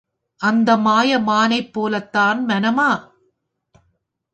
அந்த மாய மானைப் போலத் தான் மனமா?